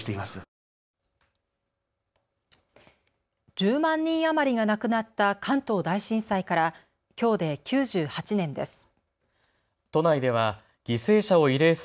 １０万人余りが亡くなった関東大震災からきょうで９８年です。